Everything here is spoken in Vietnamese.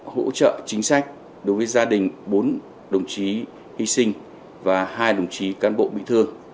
hỗ trợ chính sách đối với gia đình bốn đồng chí hy sinh và hai đồng chí cán bộ bị thương